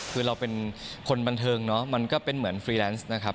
คือเราเป็นคนบันเทิงเนาะมันก็เป็นเหมือนฟรีแลนซ์นะครับ